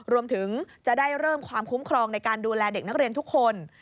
รวมถึงจะได้เริ่มความคุ้มครองในการดูแลเด็กนักเรียนทุกคน